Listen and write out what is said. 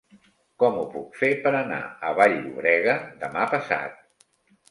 Com ho puc fer per anar a Vall-llobrega demà passat?